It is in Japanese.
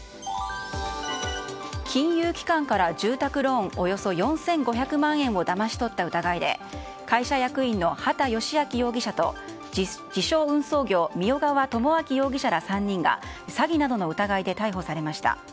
金融機関から住宅ローンおよそ４５００万円をだまし取った疑いで会社役員の畑良明容疑者と自称運送業三代川智昭容疑者ら３人が詐欺などの疑いで逮捕されました。